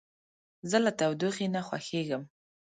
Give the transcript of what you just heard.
زه له تودوخې نه خوښیږم.